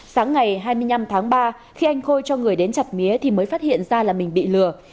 sáng ngày hai mươi năm tháng ba khi anh khôi cho người đến chặt mía thì mới phát hiện ra là mình bị lừa